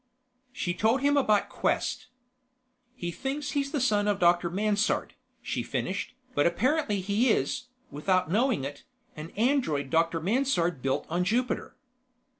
She told him about Quest. "He thinks he's the son of Dr. Mansard," she finished, "but apparently he is, without knowing it, an android Dr. Mansard built on Jupiter."